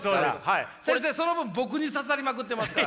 先生その分僕に刺さりまくってますから。